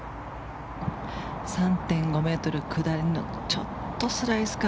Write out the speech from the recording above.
３．５ｍ下りのちょっとスライスか。